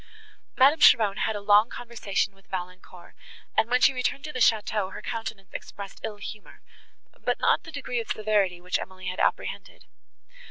Madame Cheron had a long conversation with Valancourt, and, when she returned to the château, her countenance expressed ill humour, but not the degree of severity, which Emily had apprehended.